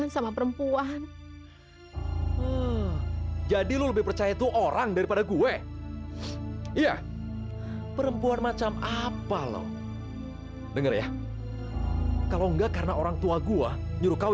sampai jumpa di video selanjutnya